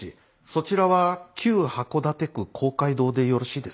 そちらは旧函館区公会堂でよろしいですか。